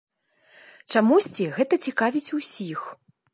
Чамусьці, гэта цікавіць усіх.